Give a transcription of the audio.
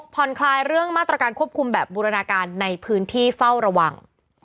ผ่อนคลายเรื่องมาตรการควบคุมแบบบูรณาการในพื้นที่เฝ้าระวัง